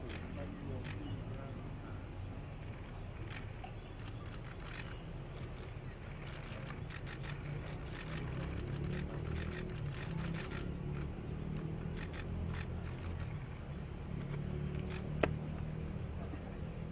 อันนี้นะครับข้างหลังของคุณคุณครับจะได้สำคัญถูกได้รวมขึ้นข้างล่างของคุณครับ